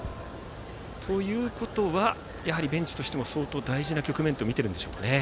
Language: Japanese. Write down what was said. ということは、ベンチとしても相当大事な局面と見ているんでしょうか。